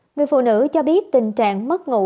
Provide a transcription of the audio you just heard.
người phụ nữ cho biết tình trạng mất ngủ